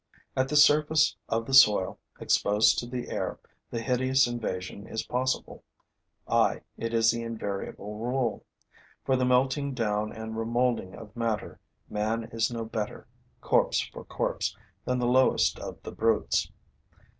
At the surface of the soil, exposed to the air, the hideous invasion is possible; ay, it is the invariable rule. For the melting down and remolding of matter, man is no better, corpse for corpse, than the lowest of the brutes.